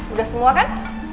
udah semua kan